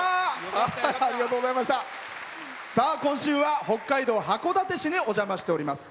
今週は北海道函館市にお邪魔しております。